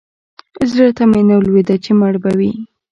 زړه ته مې نه لوېده چې مړ به وي.